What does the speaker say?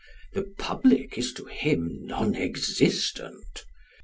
The public is to him non existent.